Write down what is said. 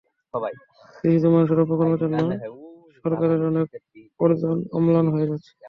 কিছু কিছু মানুষের অপকর্মের জন্য সরকারের অনেক অর্জন ম্লান হয়ে যাচ্ছে।